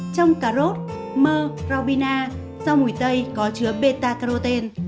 trong cà rốt mơ rau bina rau mùi tây có chứa beta carotene